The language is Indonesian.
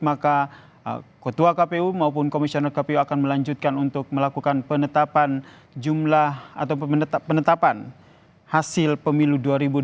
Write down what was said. maka ketua kpu maupun komisioner kpu akan melanjutkan untuk melakukan penetapan jumlah atau penetapan hasil pemilu dua ribu dua puluh